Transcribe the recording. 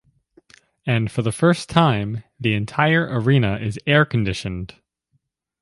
And for the first time, the entire arena is air-conditioned.